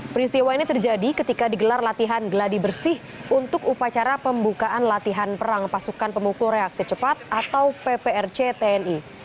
peristiwa ini terjadi ketika digelar latihan geladi bersih untuk upacara pembukaan latihan perang pasukan pemukul reaksi cepat atau pprc tni